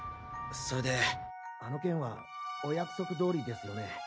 それであの件はお約束通りですよね？